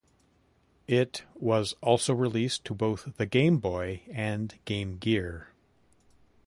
It was also released to both the Game Boy and Game Gear.